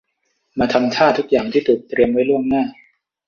มาทำท่าทุกอย่างที่ถูกเตรียมไว้ล่วงหน้า